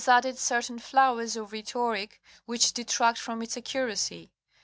added certain flowers of rhetoric which detract from its accuracy.